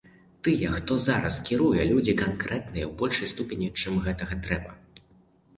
Тыя, хто зараз кіруе, людзі канкрэтныя ў большай ступені, чым гэта трэба.